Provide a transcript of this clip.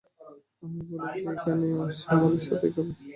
আমি বলেছি এখানে আসো আমাদের সাথেই খাবে।